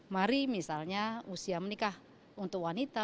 mari misalnya usia menikah untuk wanita